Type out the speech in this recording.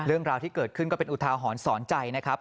เรื่องราวที่เกิดขึ้นก็เป็นอุทาหรณ์สอนใจนะครับ